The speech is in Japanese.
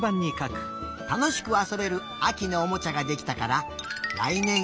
たのしくあそべるあきのおもちゃができたかららいねん